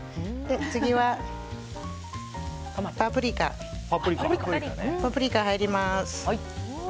次はパプリカ入ります。